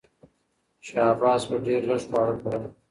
شاه عباس به ډېر لږ خواړه خوړل.